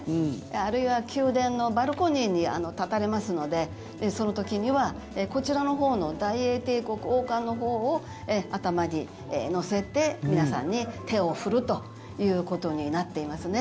あるいは宮殿のバルコニーに立たれますのでその時には、こちらのほうの大英帝国王冠のほうを頭に載せて皆さんに手を振るということになっていますね。